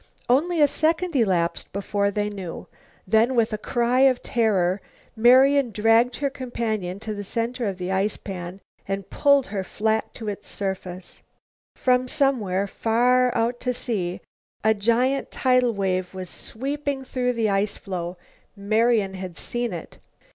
Only a second elapsed before they knew. Then with a cry of terror Marian dragged her companion to the center of the ice pan and pulled her flat to its surface. From somewhere, far out to sea, a giant tidal wave was sweeping through the ice floe. Marian had seen it.